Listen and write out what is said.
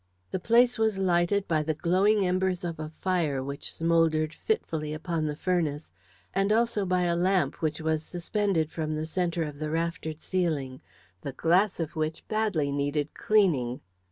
The place was lighted by the glowing embers of a fire, which smouldered fitfully upon the furnace, and also by a lamp which was suspended from the centre of the raftered ceiling the glass of which badly needed cleaning.